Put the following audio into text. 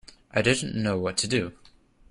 I didn't know what to do.